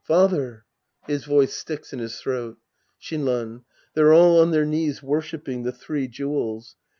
Father ! {His voice sticks in his throat!) Shinran. They're all on their knees worshiping the three jewels.